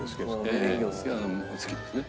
ええ好きですね。